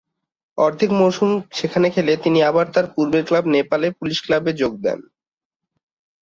অর্ধেক মৌসুম সেখানে খেলে তিনি আবার তার পূর্বের ক্লাব নেপাল পুলিশ ক্লাবে যোগ দেন।